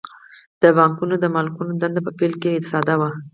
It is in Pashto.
د بانکونو د مالکانو دنده په پیل کې ساده وه